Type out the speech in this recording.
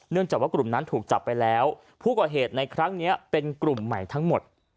จากว่ากลุ่มนั้นถูกจับไปแล้วผู้ก่อเหตุในครั้งนี้เป็นกลุ่มใหม่ทั้งหมด